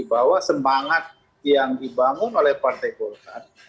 bahwa semangat yang dibangun oleh partai golkar